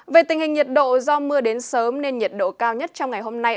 về tình hình nhiệt độ do mưa đến sớm nên nhiệt độ cao nhất trong ngày hôm nay